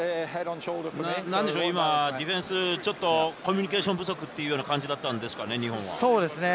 今、ディフェンス、ちょっとコミュニケーション不足っていうような感じだったんでしょうから日本は。